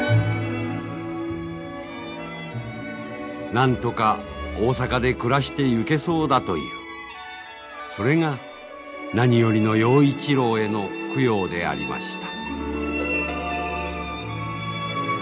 なんとか大阪で暮らしていけそうだというそれが何よりの陽一郎への供養でありました。